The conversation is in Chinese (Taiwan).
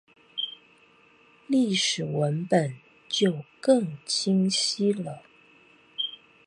歷史本文就更清晰了